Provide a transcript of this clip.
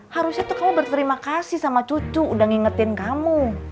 harusnya tuh kamu berterima kasih sama cucu udah ngingetin kamu